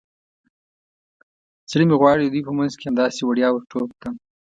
زړه مې غواړي د دوی په منځ کې همداسې وړیا ور ټوپ کړم.